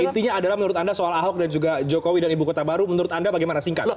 intinya adalah menurut anda soal ahok dan juga jokowi dan ibu kota baru menurut anda bagaimana singkat